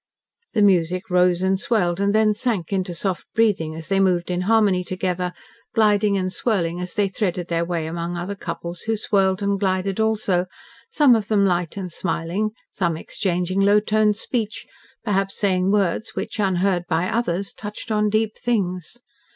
..... The music rose and swelled, and then sank into soft breathing, as they moved in harmony together, gliding and swirling as they threaded their way among other couples who swirled and glided also, some of them light and smiling, some exchanging low toned speech perhaps saying words which, unheard by others, touched on deep things.